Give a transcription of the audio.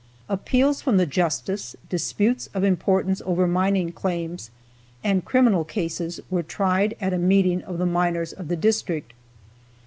Appeals from the justice, disputes of importance over mining claims, and criminal cases were tried at a meeting of the miners of the district.